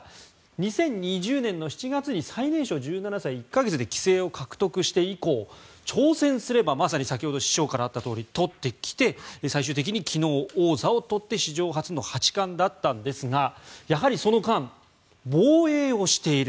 ２０２０年の７月に最年少１７歳１か月で棋聖を獲得して以降挑戦すれば、まさに先ほど師匠からあったとおり取ってきて最終的に昨日王座を取って史上初の八冠だったんですがやはりその間、防衛をしている。